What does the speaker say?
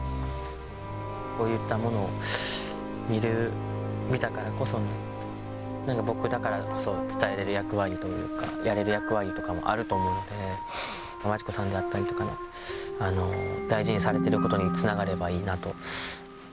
こういったものを見れる、見たからこそ、僕だからこそ伝えれる役割というか、やれる役割とかもあると思うので、真知子さんであったりとかね、大事にされてることにつながればいいなと。